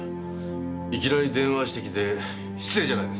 いきなり電話してきて失礼じゃないですか。